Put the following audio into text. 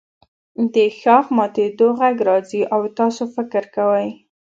د ښاخ ماتیدو غږ راځي او تاسو فکر کوئ